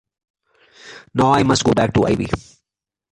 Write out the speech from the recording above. Now I must go back to Ivy.